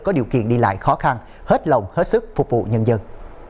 có điều kiện đi lại khó khăn hết lòng hết sức phục vụ nhân dân